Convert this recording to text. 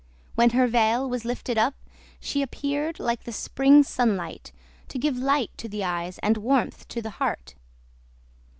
When her veil was lifted up she appeared like the spring sunlight, to give light to the eyes and warmth to the heart.